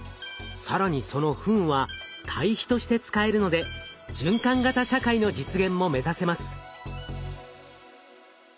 更にそのフンは堆肥として使えるので循環型社会の実現も目指せます。